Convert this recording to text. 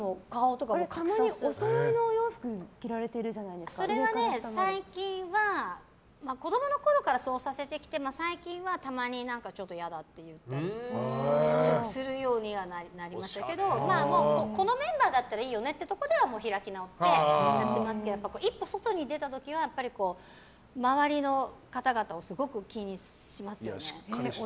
たまにおそろいのお洋服もそれは最近は子供のころからそうさせてきて最近はたまにちょっと嫌だって言うようにはなりましたけどこのメンバーだったらいいよねっていう時は開き直ってやってますけどやっぱり一歩外に出た時は周りの方々をすごく気にしますよね。